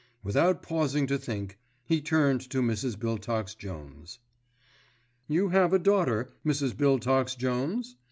Without pausing to think, he turned to Mrs. Biltox Jones. "You have a daughter, Mrs. Biltox Jones?"